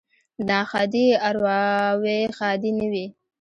ـ ناښادې ارواوې ښادې نه وي.